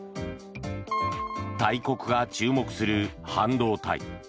大国が注目する半導体。